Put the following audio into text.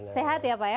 sehat ya pak ya